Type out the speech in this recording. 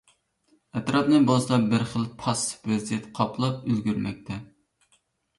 ئەتراپنى بولسا بىرخىل پاسسىپ ۋەزىيەت قاپلاپ ئۈلگۈرمەكتە.